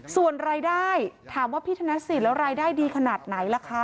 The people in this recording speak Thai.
ส่วนรายได้ถามว่าพี่ธนสิทธิ์แล้วรายได้ดีขนาดไหนล่ะคะ